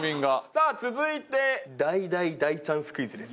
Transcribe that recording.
さあ続いて大大大チャンスクイズです。